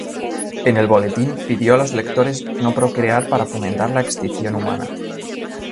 En el boletín, pidió a los lectores no procrear para fomentar la extinción humana.